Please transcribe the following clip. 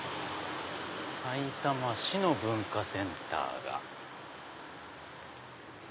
さいたま市の文化センターが。